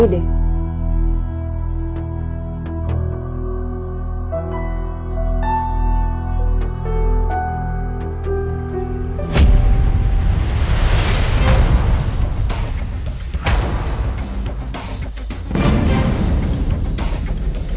gak ada apa apa